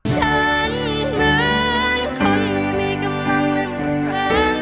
ฉันเหมือนคนไม่มีกำลังเร่มแรง